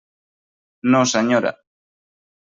No, senyora.